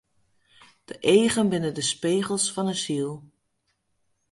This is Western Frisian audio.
De eagen binne de spegels fan 'e siel.